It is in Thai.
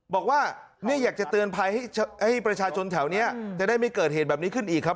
บอกว่าเนี่ยอยากจะเตือนภัยให้ประชาชนแถวนี้จะได้ไม่เกิดเหตุแบบนี้ขึ้นอีกครับ